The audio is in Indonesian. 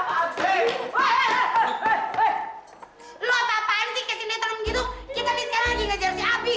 kita ini sekarang lagi ngajar si abi